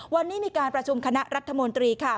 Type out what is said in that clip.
วันนี้มีการประชุมคณะรัฐมนตรีค่ะ